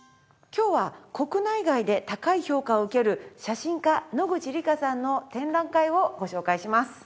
今日は国内外で高い評価を受ける写真家野口里佳さんの展覧会をご紹介します。